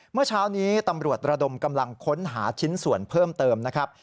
เมื่อเช้านี้ตำรวจระดมกำลังค้นหาชิ้นส่วนเพิ่มเติมนะครับ